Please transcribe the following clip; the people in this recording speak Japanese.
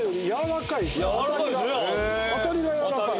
当たりが柔らかい。